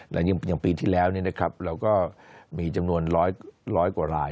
และยังปีที่แล้วนะครับเราก็มีจำนวน๑๐๐กว่าลาย